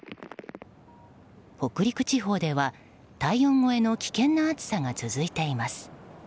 北陸地方では体温超えの危険な暑さが続いています。